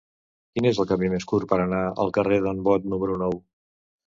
Quin és el camí més curt per anar al carrer d'en Bot número nou?